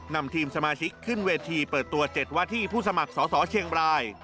นำทีมสมาชิกขึ้นเวทีเปิดตัว๗ว่าที่ผู้สมัครสอสอเชียงบราย